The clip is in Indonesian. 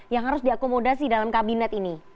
yang harus diakomodasi dalam kabinet ini